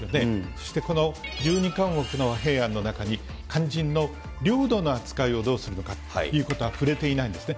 そしてこの１２項目の和平案の中に、肝心の領土の扱いをどうするかのかということは触れていないんですね。